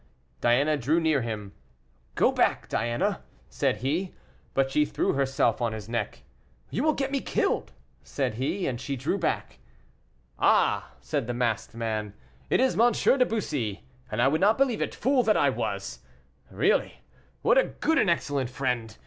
Diana drew near him. "Go back, Diana," said he. But she threw herself on his neck. "You will get me killed," said he; and she drew back. "Ah!" said the masked man, "it is M. de Bussy, and I would not believe it, fool that I was! Really, what a good and excellent friend!